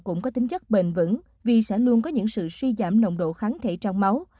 cũng có tính chất bền vững vì sẽ luôn có những sự suy giảm nồng độ kháng thể trong máu